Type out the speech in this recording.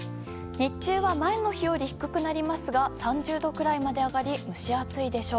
日中は前の日より低くなりますが３０度くらいまで上がり蒸し暑いでしょう。